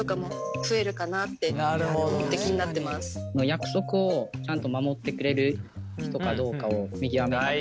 約束をちゃんと守ってくれる人かどうかを見極めたくて。